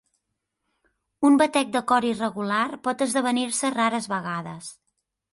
Un batec de cor irregular pot esdevenir-se rares vegades.